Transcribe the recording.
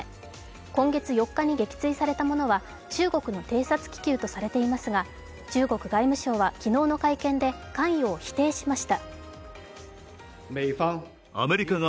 今月４日に撃墜されたものは中国の偵察気球とされていますが、中国外務省は昨日の会見で関与を否定しました。